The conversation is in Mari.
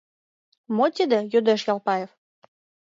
— Мо тиде? — йодеш Ялпаев.